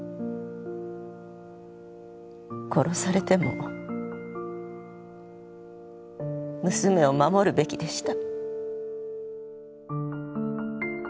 殺されても娘を守るべきでした。